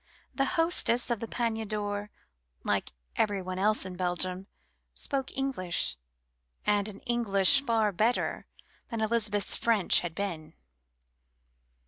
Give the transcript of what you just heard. The hostess of the "Panier d'Or," like everyone else in Belgium, spoke English, and an English far better than Elizabeth's French had been.